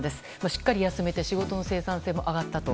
しっかり休めて仕事の生産性も上がったと。